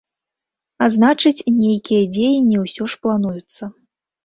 А значыць, нейкія дзеянні ўсё ж плануюцца.